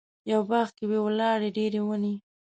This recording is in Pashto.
یوه باغ کې وې ولاړې ډېرې ونې.